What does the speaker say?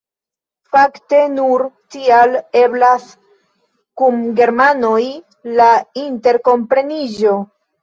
Fakte nur tial eblas kun germanoj la interkompreniĝo.